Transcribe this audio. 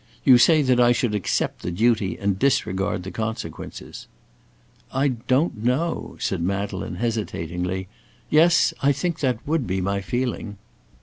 You say that I should accept the duty and disregard the consequences." "I don't know," said Madeleine, hesitatingly; "Yes, I think that would be my feeling."